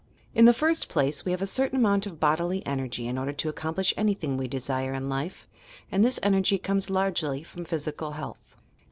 In the first place, we have a certain amount of bodily energy in order to accomplish anything we desire in life, and this energy comes largely from physical health.